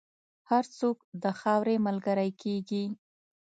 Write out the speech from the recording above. هر څوک د خاورې ملګری کېږي.